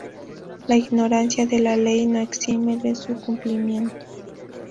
La ignorancia de la ley no exime de su cumplimiento